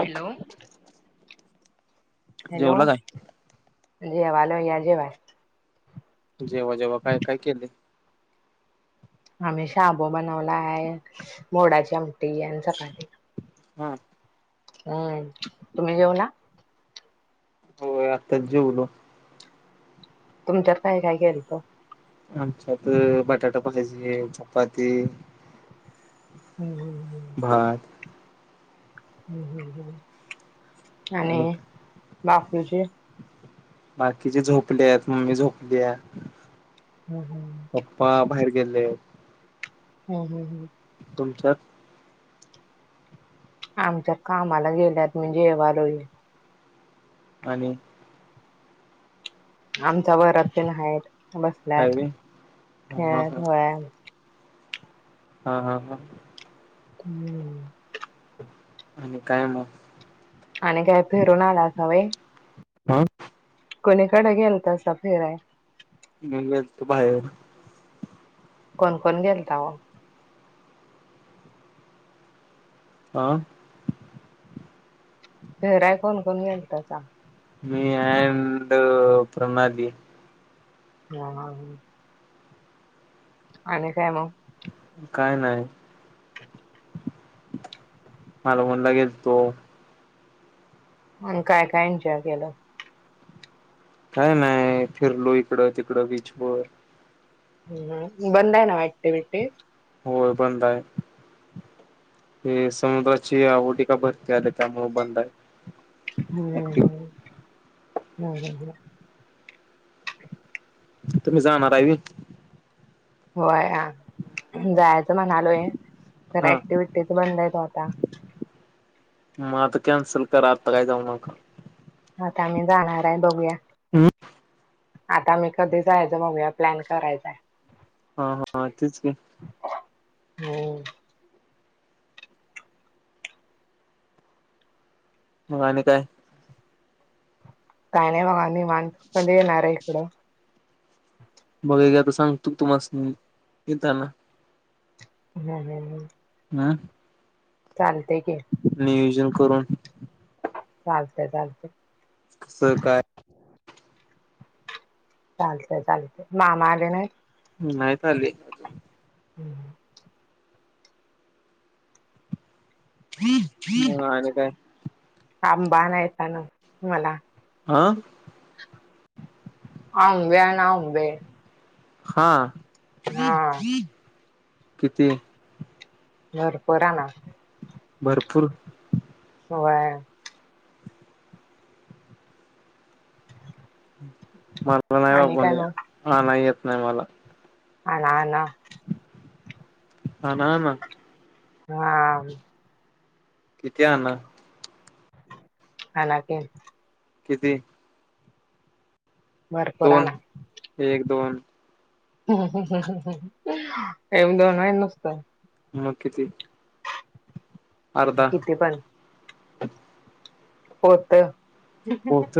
Hello! Hello. जेवला काय? मी जेवलोय या जेवाय. जेव्हा-जेव्हा काय काय केले. आम्ही शाबू बनवला आहे, मोडाची आमटी आणि चपाती. हा. हम्म, तुम्ही जेवला? होय आत्ताच जेवलो. तुमच्यात काय-काय केेलत? आमच्यात बटाटा भाजी, चपाती. हम्म, हम्म ह. भात. आणि बासुंदी. बाकीचे झोपले आहेत, मम्मी झोपली आहे. हम्म हम्. पप्पा बाहेर गेले आहे. काय आणि. खूप छान. आमच्या कामाला गेल्यात म्हणजे येवालोय. आणि. आमच्या वरद तेन आहेत. बसल्यात हायवे हा हा खेळत हा वया. हा, हा, हा.. हम्म.. आणि काय मगं? आणि काय फिरून आलासां व्हाय. ह कोणीकडे गेलतासा फिरायला. मल तो बाहेर. कोण कोण गेलता ओ? हं. फिरायला कोण-कोण गेलता सां? मी अड प्रणाली. ह. आणि काय मगं? काय नाही? मालवण ला गेलतो. आणि काय काय एन्जॉय केलं? काय नाही फिरलो इकडं तिकडं बीचवर. हम्म बंद आहे ना ऍक्टिविटी व्हय बंद आहे. ते समुद्राची आहोटी की भरती आली त्यामुळे बंद आहे. ऍक्टिव्ह हम्म हम्म [unintelligible] तुम्ही जाणारहाय व्हय. व्हाया जायचं म्हणालोय तर हा ऍक्टिव्हटीच बंद आहे ओ आता. म आता कॅन्सल करा आता काही जाऊ नका. आता आम्ही जाणार आहे बघूया. आता आम्ही कधी जायचं बघूया प्लॅन करायचय. हा, हा तेच की हो. म आणि काय? काही नाही बघा मान कधी येणार आहे इकडं. बघ गा तर सांगतु तुमास्नी येताना. [unintelligible] हा. चालतेय की. नियोजन करून. चालतंय चालतंय असं काय? चालतंय चालतय मामा आले नाही. नाहीच आले. हम् [inaudible] आणि काय? आंबा आणायचा ना मला. अह [unintelligible] हा. हा किती? भरपूर आणा. भरपूर होय. भरपूर आणि काय नाही मग [unintelligible] आणय येत नाही मला आणा आणा. आणा आणा. हा. किती आणा? आणा की. किती? भरपूर आणा दोन एक दोन [unintelligible] एवढ नाय नुसत मग किती? अर्धा किती पण.. कोण ते? होत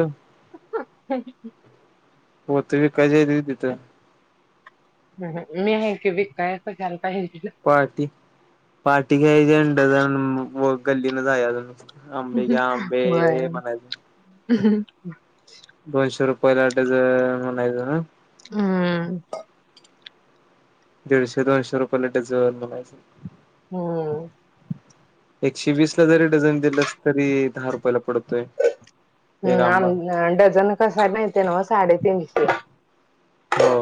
हो ती काय झालं तीथं. हृहृ.. मी आहे क बिकायलता पार्टी,. पार्टी घ्यायची डझन अ.. व गल्लीन जायचं आंबे घ्या आंबे असं मनायचं. ह. दोनशे रुपयाला डझन म्हणायचं ना. हम. दीडशे दोनशे रुपयेलाट डझन मनायच. हम्म एकशे वीस ला जरी डझन दिलस तरी दहा रुपयाला पडत. हम् आम डझन कसा माहिती ना साडेतीीनशे. हो.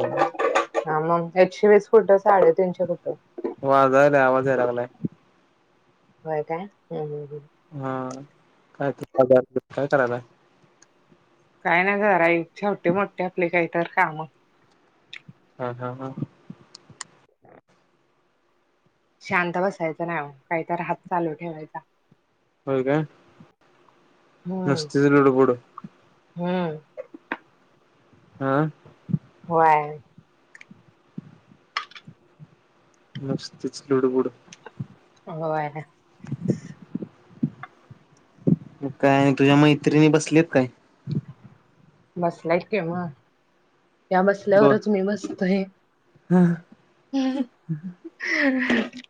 ह मग एकशे वीस कुटं साडे तीनशे कुटं. वाज आवाज यायला लागलाय. होय काय हम्म. हा काय तु बाजार काय करायला. काय ना घराई छोटे मोठे आपले काहीत काम. हा हम हा. शांत बसायचं नाही काहीतरी हात चालू ठेवायचा. हो का. हम्म नस्त उळबोडू. हम्म. हा. होय. नुसतं चूल बूड. हो आहे ना. काय तुझ्या मैत्रिणी बसलीत काय. बस लायतकी मग. त्या बसल्यावरच मी बसतय. हां. ह.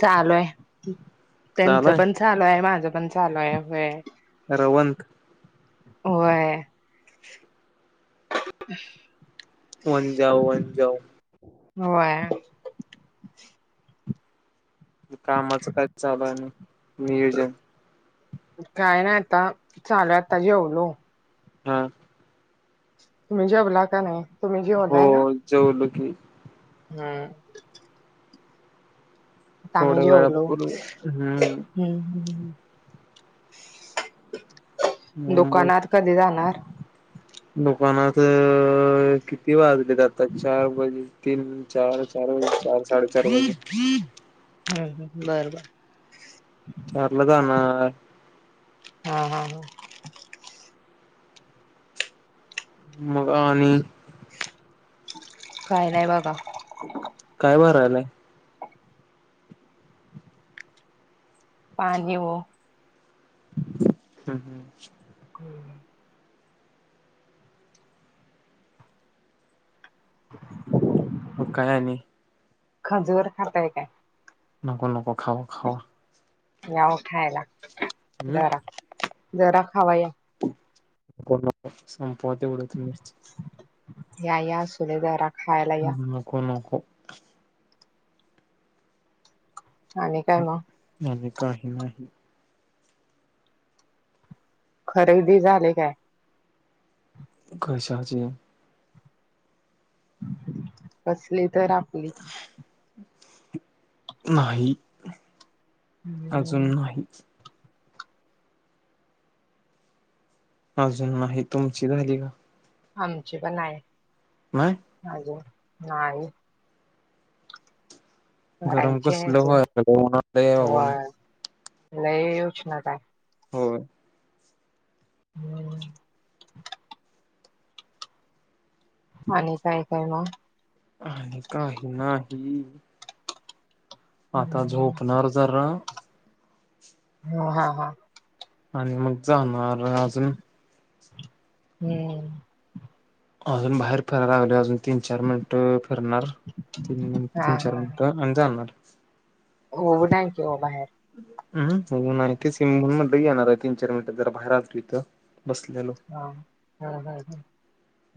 चालू आहे त्यांच चालाय पण चालू आहे माझं पण चालू आहे. रवंथ. होय. वन जाऊ, वन जाऊ,. होय. कामाचं काय चालू आय आणि, नियोजन. काय नाही आता, चालूय आता जेवलो. हा. तुम्ही जेवला का नाही, तुम्ही हो जेवलाय ना? जेवलो की. हम्. आता थोड्या वेळाने बोलू हम्म. हूं हूं हूं मग दुकानात कधी जाणार? दुकानात, अअअ किती वाज लेत आता चार वाजून तीन चार चार वाजून चार साडे चार वा [unintelligible] हा हा बर बर. चार ला जाणार. हा हा ह मग आणि काय नाय बाबा काय भरालाय? पाणी ओ हं हूं [unintelligible] [inaudible] मग काय आणि खजूर खाताय काय? नको नको, खाव खाव याओ खायला, हम्म जरा, जरा खावा या. नको नको, संपवा तेवढं तुम्हीच या या आसुदे जरा खायला हूं या हूं नको नको. आणि काय म आणि काही नाही. खरेदी झाली काय? कशाची? कसली तर आप नाही. अजून हम्म नाही. अजून नाही, तुमची झाली का? आमची पण नाय. नाय. अजून नाही. गरम व्हायची हाय कसलं अजून व्हायलय बाबा होय, लय ऊष्णता हाय. होय. हम्म आणि काय काय म आणि काही नाही. आता हम्म झोपणार जरा हा हा हा. आणि मग जाणार अजून हम्म अजून बाहेर फिरायला लागलय अजून तीन चार मिनिट फिरणार तीन मिनि हा तीन चार मिन टं आणि जाणार ओ [unintelligible] की ओ बाहेर हम्म होऊन आणि तेच म्हणून म्हटलं येणार ये तीन चार मिनट जरां बाहेर आलतो इथं बसलेलो. हा [unintelligible]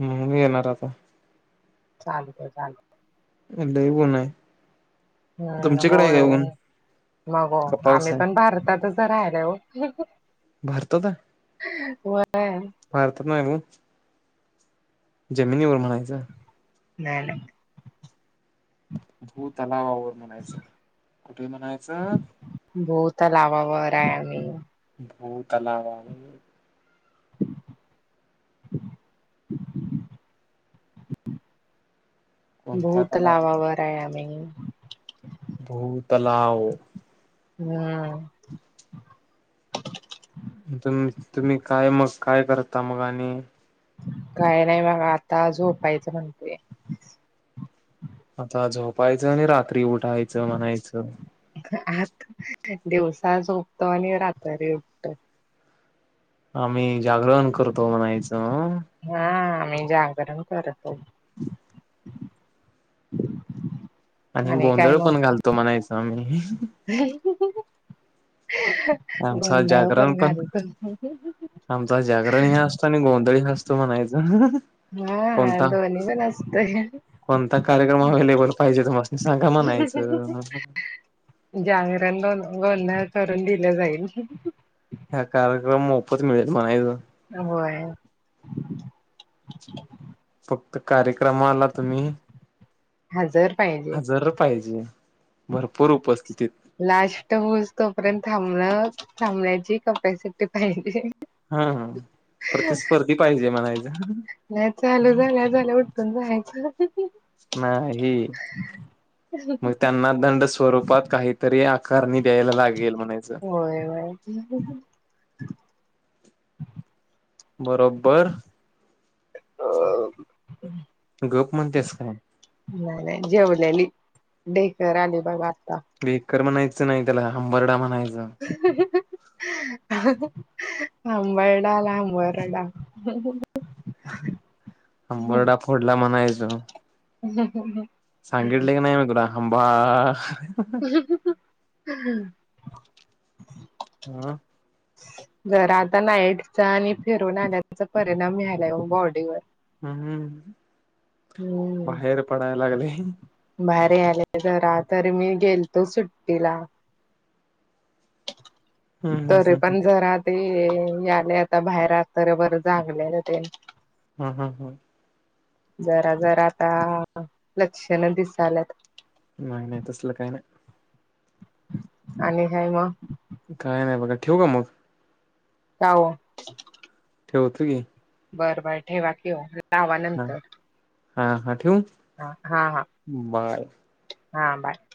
हम् मी येणार आता. चालतय चालतय. लय ऊन हाय. हम्म, नको बाई ऊन नको का पाऊस आम्ही आहे पण भारतातच राहायला हाय ओ. भारतात आहे होय भारतात नाही ओ. जमिनीवर म्हणायचं. नाय नाय. भूतलावावर म्हणायचं. कुठे म्हणायचं? भूतलावावर आहे आम्ही. भूतलावावर. कोणत्या तलावावर भूतलावावर आहे आम्ही. भूतलाव. हम्म. तुम् तुम्ही काय मग काय करता मग आणि काय नाही बगा आता झोपायचं म्हणतेय. आता झोपायचं आणि रात्री उठायचं म्हणायचं. आत दिवसा झोपतो आणि रात्री उठतो आम्ही जागरण करतो म्हणायचं. हा आम्ही जागरण करतो. आणि काय गोंधळ मग पण घालतो म्हणायच आम्ही. [unintelligible] आमचं गोंधळ जागरण पण घालतो आमचं जागरण हि अस तो आणि गोंधळ ही नसतो म्हणायचं. हा कोणता दोन्ही पण असतोय. कोणता कार्यक्रम अवैलेबल पाहिजे तुम्हासनी सांगा म्हणायचं. जागरण गोन गोंधळ करून दिलं जाईल. ह कार्यक्रम मोफत मिळेल म्हणायचं. अ होय. फक्त कार्यक्रमाला तुम्ही हजर पाहि हजर पाहिजे भरपूर उपस्थितीत. लास्ट होऊस तोपर्यंत थांबण थांबण्याची कपॅसिटी पाहिजे. हा हा प्रतिस्पर्धी पाहिजे म्हणायचं. नाही चालू झाल्या झाल्या उठून जायचं. नाही. मग त्यांना दंड स्वरूपात काहीतरी आकारणी द्यायला लागेल म्हणायचं. होय [unintelligible] बरोबर [unintelligible] गप म्हणत्यास काय? नाही नाही जेवलेली डेकर आली बाबा आता. डेकर म्हणायचं नाही त्याला हंबर्डा म्हणायचं. ह [unintelligible] हंबर्डाला हंबरडा. हंबरडा फोडला म्हणायचो. श [unintelligible] सांगितले की नाही मी तुला हांबा. [unintelligible] हा. जर आता नाईटचा आणि फिरून आल्याचा परिणाम व्हयालाय ओ बॉडीवर. हम्म बाहेर पडाय लागलंय. भाहेर यालय जरा तरी मी गेलतो सुट्टीला. हम्म तरी पण हम्म जरा ते यालय आता बाहेर आ रात्रभर जागलेल‌ ते. हम् हम्. जरा, जरा आता लक्षण दिसाल्यात. नाही, नाही तसलं काही नाही. आणि काय मग? काय नाही बघा ठेवू का मग? का ओ? ठेवतो की. बरं, बर ठेवा, ठेवा लावा हा नंतर. हा हा ठेवू. हा, हा, हा, बाय हा बाय.